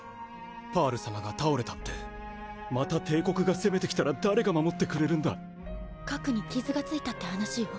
パール様が倒れたってまた帝国が攻めてきたら誰核に傷が付いたって話よ